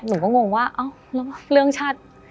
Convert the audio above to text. หนูก็งงว่าเอ้าแล้วเรื่องชาติ